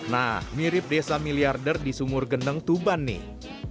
nah mirip desa miliarder di sumur gendeng tuban nih